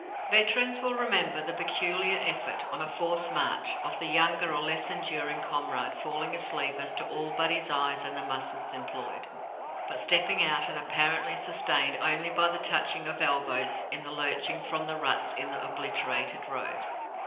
Veterans will remember the peculiar effect, on a forced march, of the younger or less enduring comrade falling asleep as to all but his eyes and the muscles employed, but stepping out and apparently sustained only by the touching of elbows in the lurching from the ruts in the obliterated road.